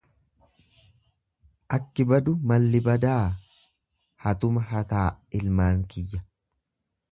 Akki badu malli badaa hatuma hataa ilmaan kiyya.